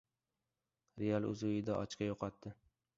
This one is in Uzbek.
"Real" o‘z uyida ochko yo‘qotdi